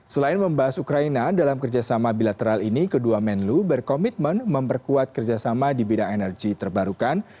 selain membahas ukraina dalam kerjasama bilateral ini kedua menlu berkomitmen memperkuat kerjasama di bidang energi terbarukan